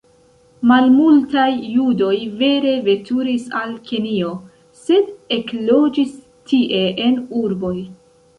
Malmultaj judoj vere veturis al Kenjo, sed ekloĝis tie en urboj.